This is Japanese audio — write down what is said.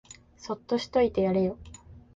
そっとしといてやれよ